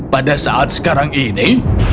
pada saat sekarang ini